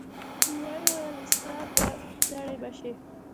وې ویل استاد ه ستړی مه شې.